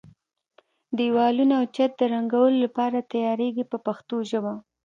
دېوالونه او چت د رنګولو لپاره تیاریږي په پښتو ژبه.